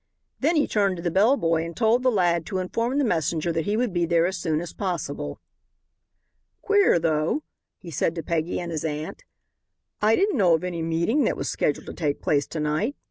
Then he turned to the bellboy and told the lad to inform the messenger that he would be there as soon as possible. "Queer though," he said to Peggy and his aunt. "I didn't know of any meeting that was scheduled to take place to night.